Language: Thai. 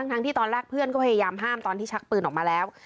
ทั้งที่ตอนแรกเพื่อนก็พยายามห้ามตอนที่ชักปืนออกมาแล้ว